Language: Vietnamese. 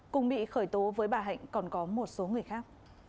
cùng bị khởi tố với bà hạnh còn có một số người khác